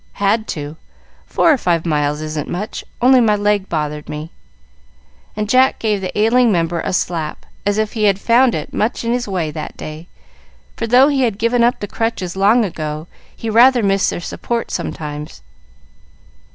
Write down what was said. "Had to. Four or five miles isn't much, only my leg bothered me;" and Jack gave the ailing member a slap, as if he had found it much in his way that day; for, though he had given up the crutches long ago, he rather missed their support sometimes.